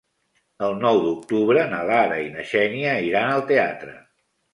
El nou d'octubre na Lara i na Xènia iran al teatre.